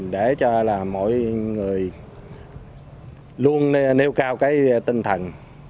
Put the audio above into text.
để cho là mỗi người luôn nêu cao cái tinh thần